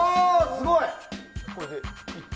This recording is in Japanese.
すごい。